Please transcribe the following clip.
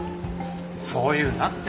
そう言うなって！